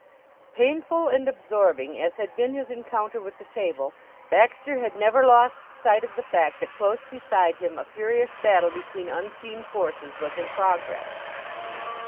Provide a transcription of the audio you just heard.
Painful and absorbing as had been his encounter with the table, Baxter had never lost sight of the fact that close beside him a furious battle between unseen forces was in progress.